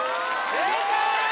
正解！